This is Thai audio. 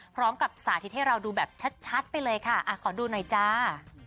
พร้อมกับสาธิตให้เราดูแบบชัดไปเลยค่ะอ่าขอดูหน่อยจ้า